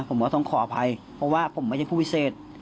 ผมก็ต้องขออภัยเพราะว่าผมไม่ใช่ผู้พิเศษ